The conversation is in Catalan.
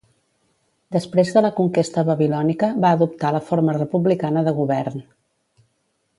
Després de la conquesta Babilònica va adoptar la forma republicana de govern.